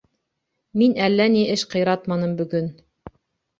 Мин әллә ни эш ҡыйратманым бөгөн.